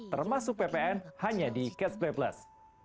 termasuk ppn hanya di catch play plus